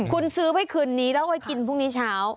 คุณซื้อไว้คืนนี้แล้วไว้กินพรุ่งนี้เช้า